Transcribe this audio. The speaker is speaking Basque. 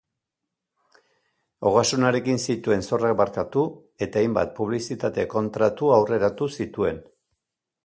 Ogasunarekin zituen zorrak barkatu, eta hainbat publizitate kontratu aurreratu zituen.